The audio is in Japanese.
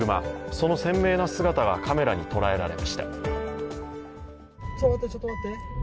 その鮮明な姿がカメラに捉えられました。